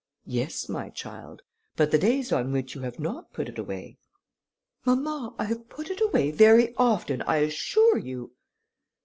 "Yes, my child, but the days on which you have not put it away?" "Mamma, I have put it away very often, I assure you."